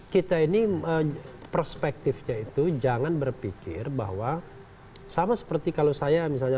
kita ini perspektifnya itu jangan berpikir bahwa sama seperti kalau saya misalnya